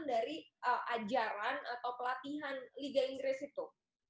dari ajaran atau pelatihan liga inggris itu